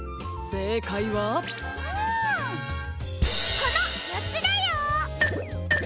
このよっつだよ！